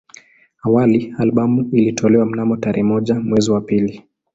Awali albamu ilitolewa mnamo tarehe moja mwezi wa pili